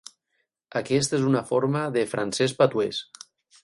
Aquest és una forma de francès patuès.